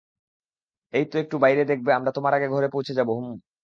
এই তো একটু বাইরে দেখবে আমরা তোমার আগে ঘরে পৌঁছে যাবো হুম।